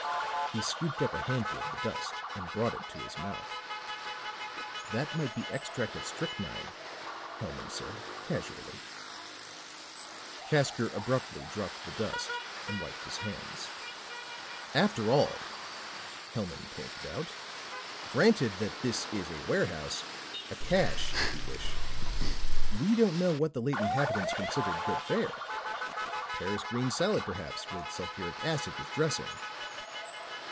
He scooped up a handful of the dust and brought it to his mouth. "That might be extract of strychnine," Hellman said casually. Casker abruptly dropped the dust and wiped his hands. "After all," Hellman pointed out, "granted that this is a warehouse a cache, if you wish we don't know what the late inhabitants considered good fare. Paris green salad, perhaps, with sulphuric acid as dressing."